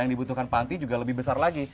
yang dibutuhkan panti juga lebih besar lagi